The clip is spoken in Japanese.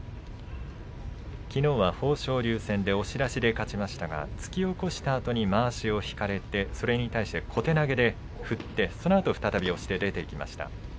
きのうは豊昇龍戦で押し出しで勝ちましたが突き起こしたあとにまわしを引かれてそれに対して小手投げで振ってそのあと再び押していきました。